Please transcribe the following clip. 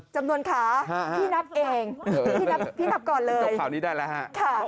จำนวนขาพี่นับเองพี่นับพี่นับก่อนเลยจบข่าวนี้ได้แล้วฮะ